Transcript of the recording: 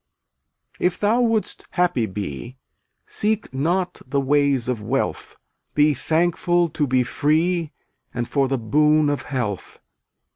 279 If thou wouldst happy be Seek not the ways of wealth; Be thankful to be free And for the boon of health.